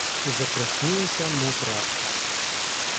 І закраснілася, мов рак.